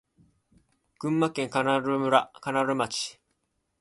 群馬県神流町